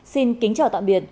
xin kính chào tạm biệt